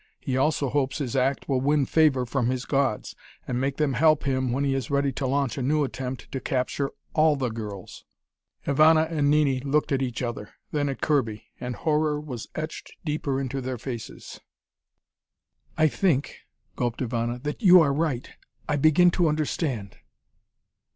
He also hopes his act will win favor from his Gods, and make them help him when he is ready to launch a new attempt to capture all the girls." Ivana and Nini looked at each other, then at Kirby, and horror was etched deeper into their faces. "I think," gulped Ivana, "that you are right. I begin to understand."